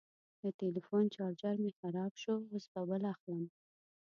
د ټلیفون چارجر مې خراب شو، اوس به بل اخلم.